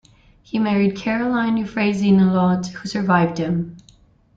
He married Caroline Euphrasie Naulot, who survived him.